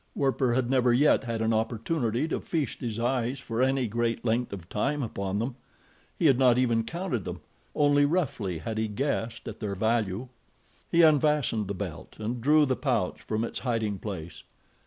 Werper had never yet had an opportunity to feast his eyes for any great length of time upon them. He had not even counted them—only roughly had he guessed at their value. He unfastened the belt and drew the pouch from its hiding place.